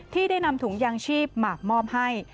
ที่ได้นำถุงยางชีพหมากมอบให้